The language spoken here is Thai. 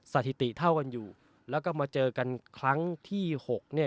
สถิติเท่ากันอยู่แล้วก็มาเจอกันครั้งที่หกเนี่ย